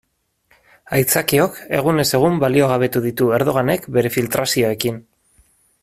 Aitzakiok egunez egun baliogabetu ditu Erdoganek bere filtrazioekin.